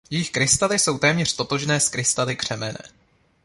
Jejich krystaly jsou téměř totožné s krystaly křemene.